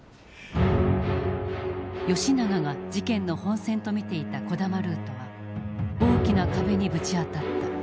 永が事件の本線と見ていた児玉ルートは大きな壁にぶち当たった。